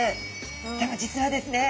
でも実はですね